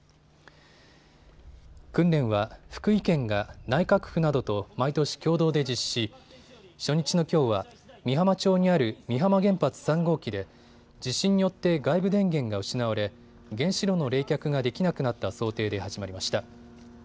訓練は、福井県が内閣府などと毎年、共同で実施し、初日のきょうは美浜町にある美浜原発３号機で地震によって外部電源が失われ原子炉の冷却ができなくなった想定で始まりました。